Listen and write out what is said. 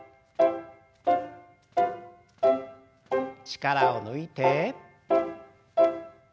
力を抜いて。